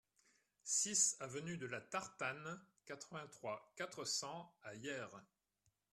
six avenue de la Tartane, quatre-vingt-trois, quatre cents à Hyères